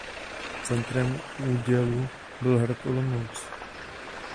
Centrem údělu byl hrad Olomouc.